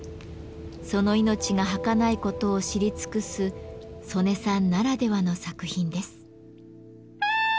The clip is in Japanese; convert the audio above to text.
その命がはかないことを知り尽くす曽根さんならではの作品です。